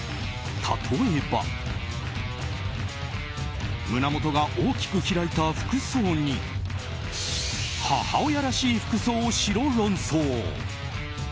例えば胸元が大きく開いた服装に母親らしい服装をしろ論争。